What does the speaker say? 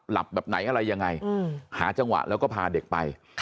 แบบไหนอะไรยังไงหาจังหวะแล้วก็พาเด็กไป